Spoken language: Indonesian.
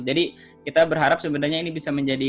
jadi kita berharap sebenarnya ini bisa menjadi